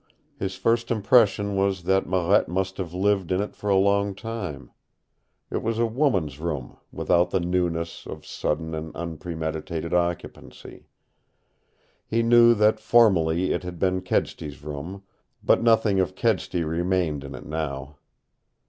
His first impression was that Marette must have lived in it for a long time. It was a woman's room, without the newness of sudden and unpremeditated occupancy. He knew that formerly it had been Kedsty's room, but nothing of Kedsty remained in it now.